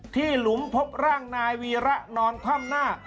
หลุมพบร่างนายวีระนอนคว่ำหน้า